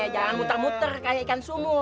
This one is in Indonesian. jangan muter muter kayak ikan sumur